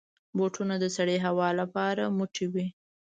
بوټونه د سړې هوا لپاره موټی وي.